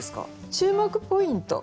注目ポイント